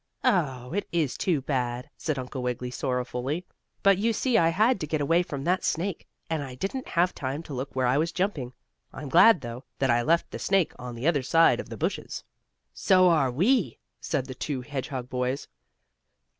"Oh, it is too bad!" said Uncle Wiggily, sorrowfully, "but you see I had to get away from that snake, and I didn't have time to look where I was jumping. I'm glad, though, that I left the snake on the other side of the bushes." "So are we," said the two hedgehog boys.